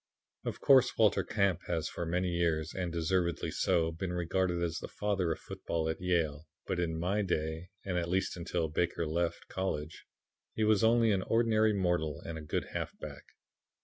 "Of course, Walter Camp has for many years, and deservedly so, been regarded as the father of football at Yale, but in my day, and at least until Baker left college, he was only an ordinary mortal and a good halfback.